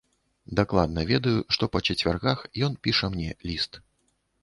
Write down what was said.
Дакладна ведаю, што па чацвяргах ён піша мне ліст.